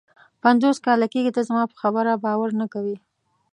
پنځوس کاله کېږي ته زما پر خبره باور نه کوې.